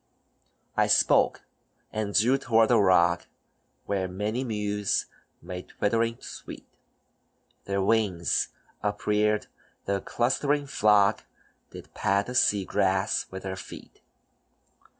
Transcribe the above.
I spoke, and drew toward a rock, Where many mews made twittering sweet; Their wings upreared, the clustering flock Did pat the sea grass with their feet.